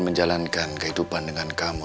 menjalankan kehidupan dengan kamu